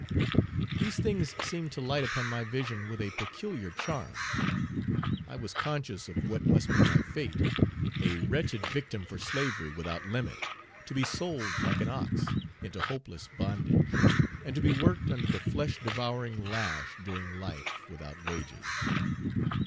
These things seem to light upon my vision with a peculiar charm. I was conscious of what must be my fate; a wretched victim for Slavery without limit; to be sold like an ox, into hopeless bondage, and to be worked under the flesh devouring lash during life, without wages.